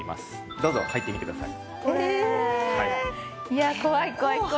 どうぞ入ってみてください。